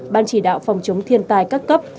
ban chỉ đạo phòng chống thiên tài các cấp